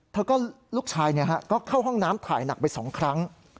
ลูกชายก็เข้าห้องน้ำถ่ายหนักไป๒ครั้ง